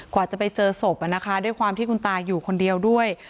กว่าจะไปเจอศพด้วยความที่คุณตาอยู่คนเดียวด้วย